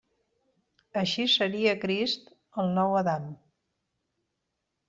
Així seria Crist el nou Adam.